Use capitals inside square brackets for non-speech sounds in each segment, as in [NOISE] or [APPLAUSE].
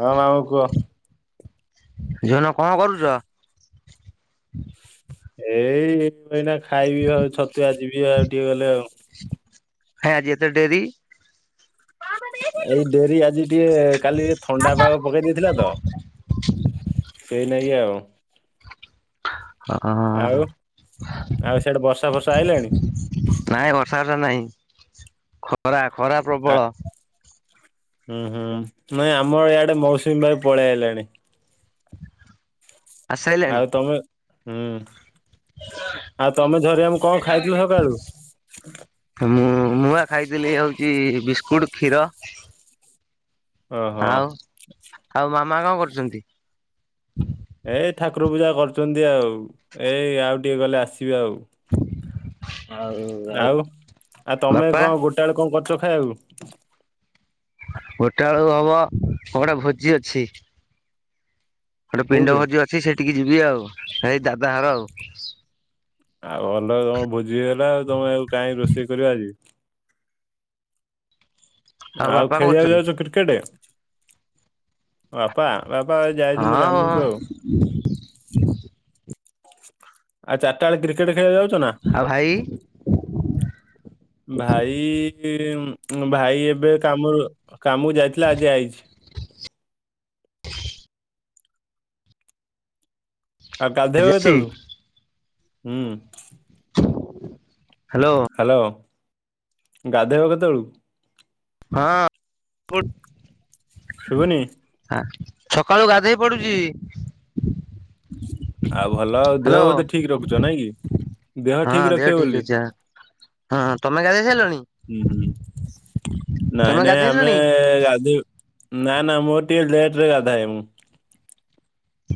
ହଁ ମାମୁଁ କୁହ। ଝିଅ ଏଇନା କଣ କରୁଚ? ଏଇ [UNINTELLIGIBLE] ଖାଇବି ଆଉ ଛତୁଆ ଯିବି ଆଉ ଟିକେ ଗଲେ ଆଉ। ହେଁ ଆଜି ଏତେ ଡେରି? ଏଇ ଡେରି ଆଜି ଟିକେ କାଲି ଥଣ୍ଡା ପାଗ ପକେଇ ଦେଇଥିଲା ତ। ସେଇନାଗି ଆଉ। ହଁ। ଆଉ ଆଉ ସିଆଡେ ବର୍ଷା ଫର୍ଷା ଆଇଲାଣି? ନାଇଁ ବର୍ଷା ଫର୍ଷା ନାହିଁ ଖରା ଖରା ଆ ପ୍ରବଳ। ହୁଁ ହୁଁ ନାଇଁ ଆମ ଇଆଡେ ମୌସୁମୀ ବାୟୁ ପଳେଇ ଆଇଲାଣି। ଆସିସାଇଲାଣି? ଆଉ ତମେ ହୁଁ। ଆଉ ତମେ ଝରିଆ ମାମୁଁ କଣ ଖାଇଥିଲ ସକାଳୁ? ମୁଁ ମୁବା ଖାଇଥିଲି ହଉଚି ବିସ୍କୁଟ କ୍ଷୀର। ଓହଁ। ଆଉ ଆଉ ମାମା କଣ କରୁଛନ୍ତି? ଏ ଠାକୁର ପୂଜା କରୁଛନ୍ତି ଆଉ ଏଇ ଆଉ ଟିକେ ଗଲେ ଆସିବେ ଆଉ। ଆଉ ଆଉ ଆଉ ତମେ ବାପା କଣ ଗୋଟାଏ ବେଳେ କଣ କରୁଚ ଖାଇବାକୁ? ଗୋଟେ ବେଳକୁ ହବ କଁ ଗୋଟା ଭୋଜି ଅଛି। ଗୋଟେ ପିଣ୍ଡ କୋଉଠି? ଭୋଜି ଅଛି ସେଇଠିକି ଯିବି ଆଉ ହେଇ ଦାଦା ଘର ଆଉ। ଆଉ ଭଲ ତମ ଭୋଜି ହେଲା ଆଉ ତମେ ଆଉ କାଇଁ ରୋଷେଇ କରିବ ଆଜି। ଆଉ ବାପା କଣ ଖେଳିବାକୁ କରୁଛନ୍ତି? ଯାଉଚ କ୍ରି କ୍ରିକେଟେ ବାପା ବାପା ଯାଇଛନ୍ତି ହଁ କାମକୁ ଆଉ। [UNINTELLIGIBLE] [INAUDIBLE] ଆ ଚାରଟା ବେଳେ କ୍ରିକେଟ ଖେଳିବାକୁ ଯାଉଚ ନା? ଆଉ ଭାଇ? ଭାଇ ଭାଇ ଏବେ କାମରୁ କାମକୁ ଯାଇଥିଲା ଆଜି ଆଇଛି। ହ ଆଉ ଗାଧେଇବ ଆଜି ଆସିଛି କେତବେଳକୁ? ହୁଁ। ହାଲୋ। ହାଲୋ ଗାଧେଇବ କେତେବେଳେକୁ? ହଁ [UNINTELLIGIBLE] ଶୁଭୁନି। [UNINTELLIGIBLE] ସକାଳୁ ଗାଧେଇ ପଡୁଚି। ଆଉ ଭଲ ଆଉ ଦେହ ବୋଧେ ଠିକ ରଖୁଛ ନାଇଁ କି ଦେହ ହଁ ଠିକ ରଖିବ ବୋଲି। ଅଛି ଆ ହଁ ତମେ ଗାଧେଇ ସାରିଲଣି ହୁଁ ହୁଁ ନାଇଁ ତମେ ନାଇଁ ଆମେ ଗାଧେଇଲଣି [UNINTELLIGIBLE] ନା ନା ମୋର ଟିକେ ଲେଟରେ ଗାଧାଏ ମୁଁ।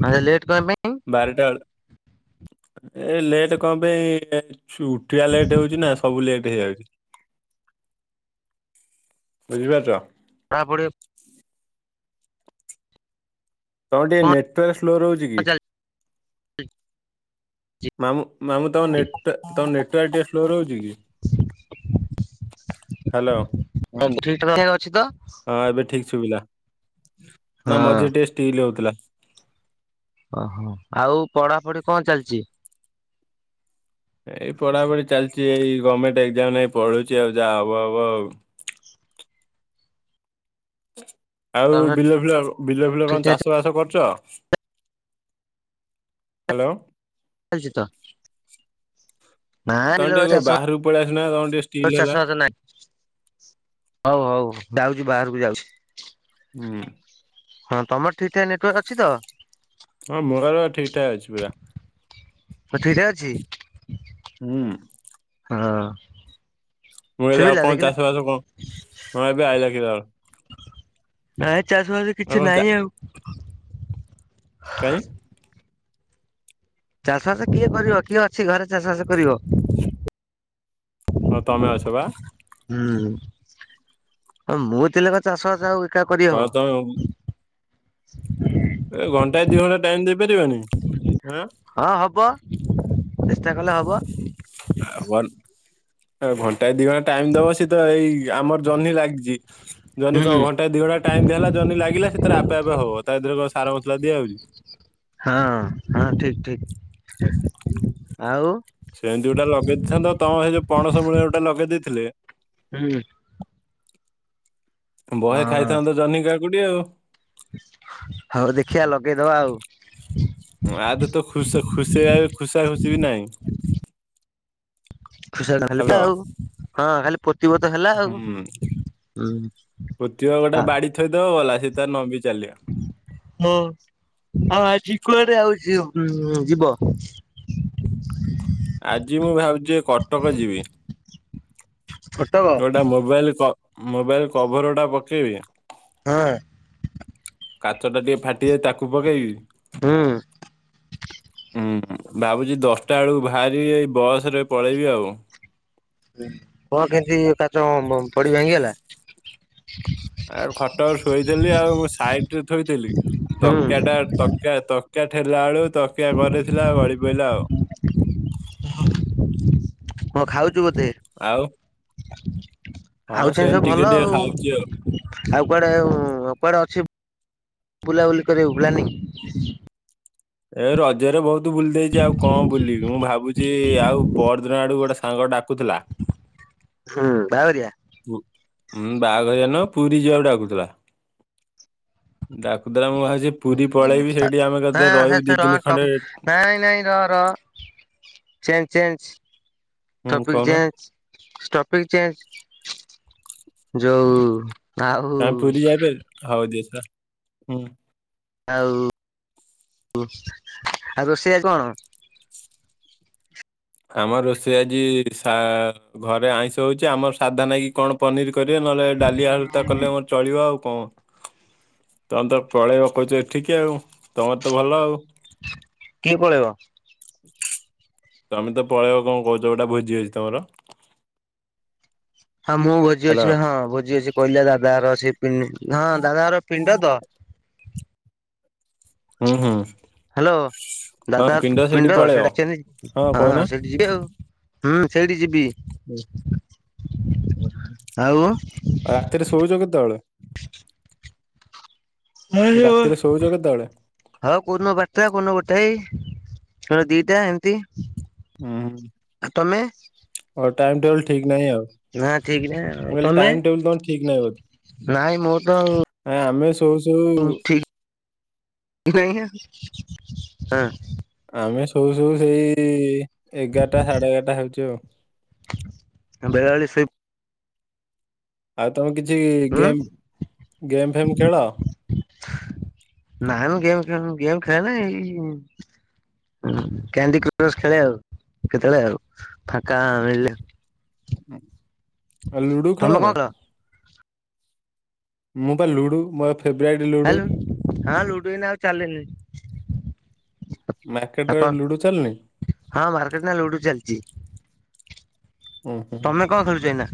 ଆ ଲେଟ୍ କଣ ପାଇଁ? ବାରଟା ବେଳ ଏ ଲେଟ୍ କଣ ପାଇଁ ଉଠିବା ଲେଟ୍ ହଉଛି ନା ସବୁ ଲେଟ୍ ହେଇଯାଉଛି। ବୁଝିପାରଛ? [INAUDIBLE] ତମ ଟିକେ କଣ ନେଟୱାର୍କ୍ ସ୍ଲୋ ରହୁଛି କି? ଚାଲିଛି? ମାମଁ ମାମୁ ତମ ତମ ନେଟୱାର୍କ ଟିକେ ସ୍ଲୋ ରହୁଛି କି? ହ୍ୟାଲୋ [UNINTELLIGIBLE] ହଁ ଏବେ ଠିକ ସୁଭିଲା। ହଁ ନା ମଝିରେ ଟିକେ [INAUDIBLE] ହଉଥିଲା। ଓହୋ ଆଉ ପଢାପଢି କଣ ଚାଲିଛି? ଏଇ ପଢାପଢି ଚାଲିଛି ଏଇ ଗଭର୍ଣମେଣ୍ଟ ଏକ୍ଜାମ ନାଇଁ ପଢୁଛି ଆଉ ଯାହା ହବ ହବ ଆଉ। ଆଉ ତମର ବିଲ ଫିଲ ବିଲ ଫିଲ ଠିକ୍ କଣ ଠାକ୍ ଚାଷ ଚାସ ବାସ କରୁଛ ହ୍ୟାଲୋ। ଚାଲିଛି ତ। ତମେ ଟିକେ ବାହାରକୁ ପଳେଇ ଆସୁନା ତମର ଟିକେ ଷ୍ଟିଲ୍ [INAUDIBLE] ହେଲା। ଚାଷବାଷ ନାଇଁ। ହଉ ହଉ ଯାଉଛି ବାହାରକୁ ଯାଉଛି। ହୁଁ। ହଁ ତମର ଠିକ ଟା ନେଟୱାର୍କ ଅଛି ତ? ହଁ ମୋହର ଠିକ୍ ଠାକ୍ ଅଛି ପୁରା। [INAUDIBLE] ଅଛି ହୁଁ। ହଁ। ମୁଁ କହିଲି ଆଉ ଶୁଭିଲା କଣ ଦେଖିଲ ଚାଷ ବାସ କଣ ମୁଁ ଏବେ ଆଇିଲ କିିଲ ଆ ନାଇ ଚାଷବାସ ଆଉ କିଛି କଣ ଚା ନହିଁ ଆଉ। କାହିଁ? ଚାଷ ବାସ କିଏ କରିବ କିଏ ଅଛି ଘରେ ଚାଷବାସ କରିବ? ହଁ ତମେ ଅଛ ବା। ହୁଁ ହ ମୁଁ ଥିଲେ କ ଚାଷବାସ ହଉ [INAUDIBLE] ଏ ଘଣ୍ଟାଏ ଦି ଘଣ୍ଟା ଟାଇମ ଦେଇ ପାରିବେନି? ହଁ ହବ ଚେଷ୍ଟା କଲେ ହବ। [INAUDIBLE] ଘଣ୍ଟାଏ ଦି ଘଣ୍ଟା ଟାଇମ ଦବ ସେ ତ ଏଇ ଆମର ଜହ୍ନି ଲାଗିଛି ଜହ୍ନି କଣ ହୁଁ ଘଟା [INAUDIBLE] ଟାଇମ ଦିଆ ହେଲା ଜନି ଲାଗିଲା ସେଥିରେ ଆପେ ଆପେ ହବ ତା ଧେରେ କଣ ସାର ମସଲା ଦିଆଯାଉଛି। ହଁ ହଁ ଠିକ୍ ଠିକ୍ ଆଉ? [INAUDIBLE] ତମ ସେ ଯୋଉ ପଣସ ମୂଳେ ଗୋଟେ ଯଉ ଲଗେଇ ଦେଇଥିଲି। ହୁଁ। ବହେ ହଁ ଖାଇଥାନ୍ତ ଜନ୍ହି କାକୁଡି ଆଉ। ହଉ ଦେଖିିବା ଲଗେଇଦବା ଆଉ। ଆ ଦିହରେ ତ ଖୁସା ଖୁସିବା ଖୁସା ଖୁସି ବି ନାଇଁ। ଖୁସି ଖତ ହ୍ୟାଲୋ ଆଉ, ହଁ, ଖାଲି ପୋତିବ ତ ହେଲା ଆଉ। ହୁଁ ହୁଁ ପୋତିବ ଗୋଟେ ବାଡି ଥୋଇଦବ ଗଲା ସେ ତାର ନମ୍ବି ଚାଲିବ। ହୋ। ହଁ, ଆଜି କୁଆଡେ ଆଉ ଜି ଯିବ। ଆଜି ମୁଁ ଭାବୁଛି କଟକ ଯିବି। କଟକ? ତ ଗୋଟା ମୋବାଇଲ କ ମୋବାଇଲ କଭର ଗୋଟା ପକେଇବି। ହଁ। କାଚ ଟା ଟିକେ ଫାଟିଯାଇଚି ତାକୁ ପକେଇବି। ହୁଁ। ହୁଁ ଭାବୁଛି ଦଶ ଟା ବେଳକୁ ବାହାରିବି ଏଇ ବସ ରେ ପଳେଇବି ଆଉ। କଣ କେମିତି କାଚ ଵ ପଡି ଭାଙ୍ଗିଗଲା? ଆଉ ଖଟରେ ଶୋଇଥିଲି ଆଉ ସାଇଡ ରେ ଥୋଇଥିଲି ହୁଁ ତକିଆ ଟା ତ କିଆ ତକିଆ ଠେଲା ବେଳୁ ତକିଆ କରେଥିଲା ଗଳି ପଇଲା ଆଉ। କଁ ଖାଉଛୁ ବୋଧେ ଆଉ ଆଉ ହଁ ଜିନି ସେମିତି ସବୁ ଟିକେ ଭଲ ଟିକେ ଆଉ। ଖାଉଛି ଆଉ। ଆଉ କୁଆଡେ ଉଁ କୁଆଡେ ଅଛି ବୁଲାବୁଲି କରିବାକୁ ପ୍ଲାନିଂ? ଏ ରଜରେ ବହୁତ ବୁଲି ଦେଇଛି ଆଉ କଣ ବୁଲିବି ମୁଁ ଭାବୁଛି ଚି ଆଉ ପରଦିନ ଆଡ଼କୁ ଗୋଟେ ସାଙ୍ଗ ଡାକୁଥିଲା ହୁଁ, ବାହାଘରିଆ। ହୁଁ ବାହାଘରିଆ ନୁହଁ ପୁରୀ ଯିବାକୁ ଡାକୁଥିଲା। ଡାକୁଥିଲା ମୁଁ ଆଜି ଦିନି ଖଣ୍ଡେ [UNINTELLIGIBLE] ନାଇଁ ନାଇଁ ର ର। ଚେଞ୍ଜ ଚେଞ୍ଜ ହୁଁ ଟପିକ କହୁନ ଚେଞ୍ଜ। ଟପିକ ଚେଞ ଯୋଉ ଆଉ ପୁରୀ ଯାଇପଇଲୁ ହଉ ଦିସ, ହୁଁ। ଆଉ ଉଁ ଆଉ ରୋଷେଇଆ କଣ? ଆମ ରୋଷେଇ ଆଜି ସା ଘରେ ଆଇଁଷ ହଉଛି ଆମର ସାଧା ନାଗି କଣ ପନିର କରିବେ ନହେଲେ ଡାଲି, ଆଳୁ ତ କଲେ ମୋର ଚଳିବ ଆଉ କଣ। ତମେ ତ ପଳେଇବ କହୁଛ ଏଠିକି ଆଉ ତମର ତ ଭଲ ଆଉ। କିଏ ପଳେଇବ? ତମେ ତ ପଳେଇବ କଣ କହୁଛ ଗୋଟା ଭୋଜି ଅଛି ତମର। ହଁ ମୁଁ ଭୋଜି ହ୍ୟାଲୋ ଅଛି ହଁ ଭୋଜି ଅଛି କହିଲି ଦାଦା ଘର ସେ ପି ହଁ ଦାଦା ଘର ପିଣ୍ଡ ତ। ହୁଁ-ହୁଁ। ହାଲୋ ଦାଦା ପିଣ୍ଡ ସେ ପଳେଇବ ଡାକିଛନ୍ତି। ହଁ ସେଇଠି ଯିବି ଆଉ। ହୁଁ ସେଇଠି ଯିବି ହୁଁ, ହୁଁ, ହୁଁ। ଆଉ। ରାତିରେ ଶୋଉଛ କେତେବେଳେ? ରାତିରେ ଶୋଉଛ କେତେବେଳେ [UNINTELLIGIBLE] ହ କୋଉଦିନ ବାରଟା କୋଉଦିନ ଗୋଟାଏ ନହେଲେ ଦିଟା ଏମତି। ହୁଁ, ଆଉ ଟାଇମ ଟେବଲୁ ଠିକ ନାହିଁ ଆଉ, ନା ଠିକ ନାହିଁ ଆଉ ମୁଁ କହିଲି ତମେ? ଟାଇମ୍ ଟେବୁଲ ତମର ଠିକ ନାହିଁ ନାଇଁ ମୋର ବୋଧେ। ଆ ଆମେ ଶୋଉ ଶୋଉ ତ ଠିକ [UNINTELLIGIBLE] ଆମେ ଶୋଉ ଶୋଉ ସେଇ ଏଗାରଟା ସାଢେ ଏଗାରଟା ହେଉଛି ଆଉ। ବେଳାବେଳି ଶୋଇପ ଆଉ ତମେ କିଛି ଉଁ ଗେମ୍, ଗେମ୍ ଫେମ୍ ଖେଳ? ନାଇଁ ମୁଁ ଗେମ୍ ଫେମ୍ ଗେମ୍ ଖେଳେ ନାହିଁ। କ୍ୟାଣ୍ଡି କ୍ର ଖେଳେ ଆଉ କେତେବେଳେ ଆଉ ଫାଙ୍କା ମିଳିଲେ। ଆଉ ଲୁଡୁ ତମେ ଖେଳ କଣ ନାହିଁ। ମୁଁ ପା ଲୁଡୁ ମଫ୍ ହାଲୁ ହଁ ଲୁଡୁ ଏଇନା ଆଉ ଚାଲିନି। ମାର୍କେଟ ରେ ଆପଣ ଆଉ ଲୁଡୁ ଚାଲୁନି? ହଁ ମାର୍କେଟ ନା ଲୁଡୁ ଚାଲିଚି। ଉଁ ହୁଁ। ତମେ କଣ ଖେଳୁଚ ଏଇନା?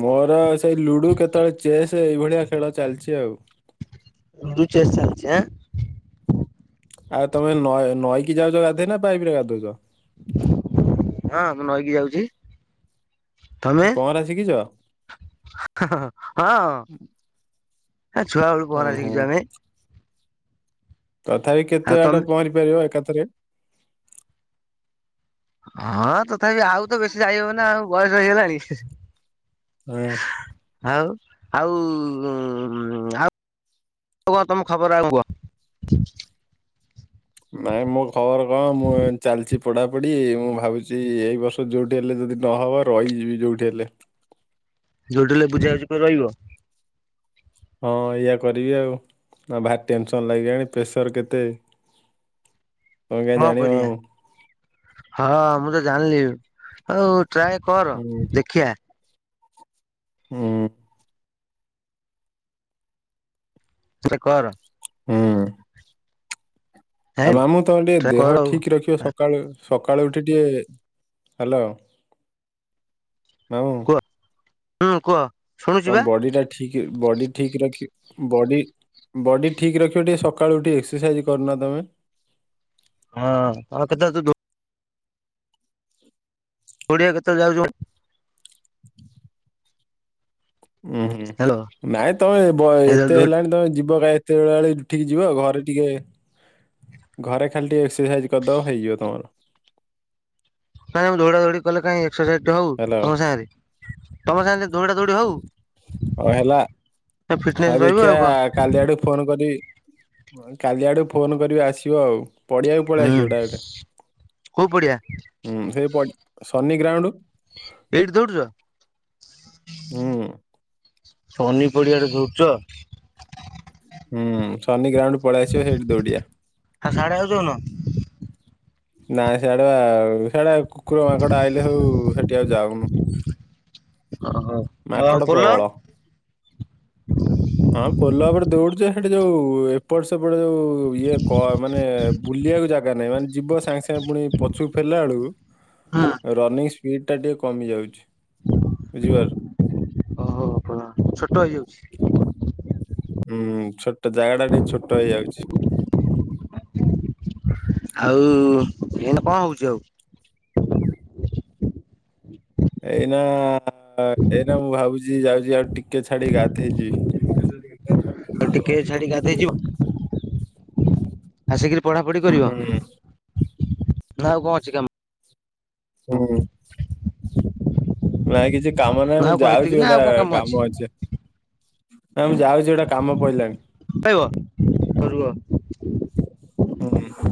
ମୋର ସେଇ ଲୁଡୁ କେତଳେ ଚେସ୍ ଏଇଭଳିଆ ଖେଳ ଚାଲିଚି ଆଉ। ଲୁଡୁ ଚେସ୍ ଚାଲିଛି ଆଁ। ଆଉ ତମେ ନଏ ନଈକି ଯାଉଚ ଗାଧେଇ ନା ପାଇପି ରେ ଗାଧଉଚ? ହଁ ମୁଁ ନଈକି ଯାଉଚି। ପହଁରା ଶିଖିଛ? ହଁ ଛୁଆ ବେଳୁ ଉଁ ପହଁରା ହୁଁ ଶିକିଚୁ ଆମେ। ତଥାପି ଆଉ କେତେ ତମେ ବାଟ ପହଁରିପାରିବ ଏକାଥରେ? ହଁ ତଥାପି ଆଉ ତ ବେଶୀ ଯାଇହବନା ଆଉ ବୟସ ହେଇଗଲାଣି। ହଁ। ଆଉ ଆଉ ଆଉ କୁହ ତମ ଖବର ଆଉ କଣ କୁହ? ନାଇଁ ମୋ ଖବର କଣ, ମୁଁ ଏମିତି ଚାଲିଚି ପଢ଼ାପଢ଼ି ମୁଁ ଭାବୁଚି ଏଇ ବର୍ଷ ଯୋଉଁଠି ହେଲେ ଯଦି ନହବ ରହିଯିବି ଯୋଉଠି ହେଲେ। ଯୋଉଠି ହେଲେ ବୁଝା ବୁଝି କରୀ ରଇବ? ହଁ ଏଇଆ କରିବି ଆଉ। ଭାରି ଟେନସନ୍ ଲାଗିଆଣି ପ୍ରେସର କେତେ। [INAUDIBLE] କଣ ଜାଣିବ କରିଆ? ମାମୁଁ ହଁ ମୁଁ ତ ଜାଣ୍ଲି ଆଉ ଟ୍ରାଏ କର ହୁଁ ଦେଖିଆ। ହୁଁ। ତୁ ଏଟା କର। ହୁଁ। ଆଉ ହେଁ ମାମୁଁ ତମେ ଟିକେ ଟ୍ରାଏ ଦେହ କର ଆଉ ଠିକ୍ ରଖିବ ସ ସକାଳୁ ସକାଳୁ ଉଠି ଟିକେ, ହାଲୋ ମାମୁଁ। କୁହ ହୁଁ କୁହ? ଶୁଣୁଛି ତମ ବା ବଡି ଟା ଠିକ୍ ବଡି ଠିକ୍ ରଖି ବଡି। ବଡି ଠିକ୍ ରଖିବ ଟିକେ ସକାଳୁ ଉଠି ଏକ୍ସରସାଇଜ୍ କରୁନା ତମେ। ହଁ [UNINTELLIGIBLE] ଘୋଡ଼ିଆ କେତେବେଳେ ଯାଉଛୁ? ଉଁ ହୁଁ, ହ୍ୟାଲୋ ନାଇଁ ତମେ ବ ଏତେ ହେଲାଣି ତମେ ଯିବ କାଳେ ବେଳାବେଳି ଉଠିକି ଯିବ, ଘରେ ଟିକେ ଘରେ ଖାଲି ଟିକେ ଏମ୍ସର ସାଇଜ୍ କରିଦବ ହେଇଯିବ ତମର। କାଇଁ ମୁଁ ଦୌଡ଼ା ଦୌଡ଼ି କଲେ କାଇଁ ଏକ୍ସରସାଇଜ୍ ଟେ ହଉ ହେଲା ତମ ସାଙ୍ଗରେ। ତମ ସାଙ୍ଗରେ ଦୌଡ଼ା ଦୌଡ଼ି ହଉ। ଅ ହେଲା ଫିଟନେସ ହଉ ରହିବ ଆଉ ଦେଖିଆ କଣ କାଲି ଆଡୁ ଫୋନ କରିବି। କାଲି ଆଡ଼ୁ ଫୋନ୍ କରିବି ଆସିବ ଆଉ। ପଡିଆକୁ ହୁଁ ପଳିଆସିବ ଡାଇରେକ୍ଟ କୋଉ ପଡିଆ ହୁଁ ସେଇ ପଟି ସନି ଗ୍ରାଉଣ୍ଡୁ। ଏଇଟି ଦୌଡୁଚ? ହୁଁ। ସନି ପଡିଆରେ ସବୁ ଖେଳ। ହୁଁ ଶନି ଗ୍ରାଉଣ୍ଡ ପଳେଇ ଆସିବେ ସେଇଠି ଦଉଡିଆ। ଆ ସାଢେ ଆଉ ଯଉନ। ନାଇଁ ସ୍ୟାଡେ ଆଉ ସ୍ୟାଡେ ଆଉ କୁକୁର ମାଙ୍କଡ ଆଇଲେ ସବୁ ସେଠି ଆଉ ଯାଉନୁ। ଅ ହ। ମାଙ୍କଡ଼ ପ୍ରବଳ। ହଁ ପୋଲ ଉପରେ ଦଉଡୁଚୁ ସେଠି ଯୋଉ ଏପଟ ସେପଟ ଯୋଉ ଉ ଇଏ କ ମାନେ ବୁଲିଆକୁ ଜାଗା ନାହିଁ ମାନେ ଯିବ ସାଙ୍ଗେ ସାଙ୍ଗେ ପୁଣି ପଛୁକୁ ଫେରିଲା ବେଳକୁ ହଁ ରନିଂ ସ୍ପିଡ ଟା ଟିକେ କମି ଯାଉଚି ବୁଝିପାର ଓହୋ ଛୋଟ ହେଇଯାଉଚି। ହୁଁ ଛୋଟ ଜାଗା ଟା ଟିକେ ଛୋଟ ହେଇଯାଉଚି। ଆଉ ଏଇନା କଣ ହଉଚି ଆଉ? ଏଇନା ଏଇନା ମୁଁ ଭାବୁଛି ଯାଉଛି ଆଉ ଟିକେ ଛାଡି ଗାଧେଇ ଯିବି। [UNINTELLIGIBLE] ଆଉ ଟିକେ ଛାଡି ଗାଧେଇ ଯିବ? ଆସିକିରି ପଢ଼ାପଢ଼ି କରିବ? ହୁଁ ନା ଆଉ କ ଅଛି ହୁଁ କାମ। ନାଇଁ କିଛି କାମ ନାଇଁ ମୁଁ ଆଉ କଣ ଏତିକି ଯାଉଚି ନା ଗୋଟା ଆଉ କଣ କାମ ଅଛି। ନା ମୁଁ ଯାଉଚି ଗୋଟେ କାମ ପଇଲାଣି। ପଳେଇବ କ ରୁଅ। ହୁଁ।